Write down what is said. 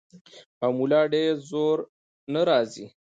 او ملا ډېر زور نۀ راځي -